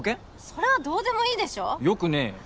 それはどうでもいいでしょよくねえよ